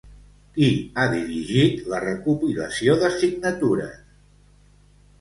Qui ha dirigit la recopilació de signatures?